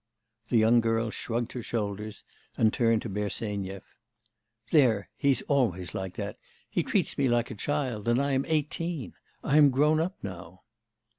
The young girl shrugged her shoulders, and turned to Bersenyev. 'There, he's always like that; he treats me like a child; and I am eighteen. I am grown up now.